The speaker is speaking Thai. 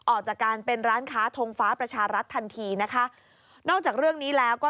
ออกจากการเป็นร้านค้าทงฟ้าประชารัฐทันทีนะคะ